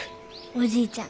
おじいちゃん